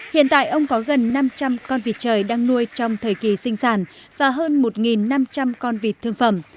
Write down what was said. hiện tại ông có gần năm trăm linh con vịt trời đang nuôi trong thời kỳ sinh sản và hơn một năm trăm linh con vịt thương phẩm